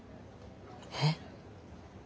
えっ？